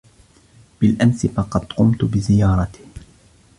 بالأمس فقط قمت بزيارته.